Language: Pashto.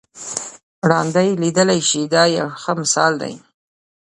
ړانده یې لیدلای شي دا یو ښه مثال دی.